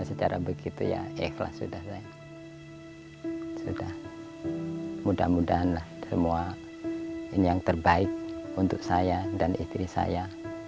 berarti suami istri ya